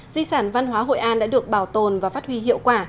di sản văn hóa hội an đã được bảo tồn và phát huy hiệu quả